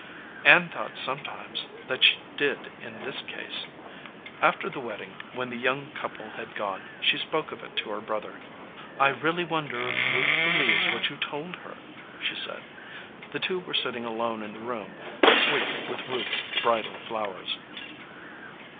Ann thought sometimes that she did in this case. After the wedding, when the young couple had gone, she spoke of it to her brother. "I really wonder if Ruth believes what you told her," she said. The two were sitting alone in the room sweet with Ruth s bridal flowers.